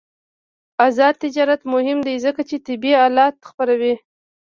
آزاد تجارت مهم دی ځکه چې طبي آلات خپروي.